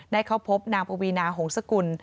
ได้เข้าพบนางปุวีนาหงศกล